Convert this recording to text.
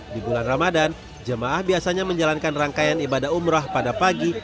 di bulan ramadan jemaah biasanya menjalankan rangkaian ibadah umroh pada pagi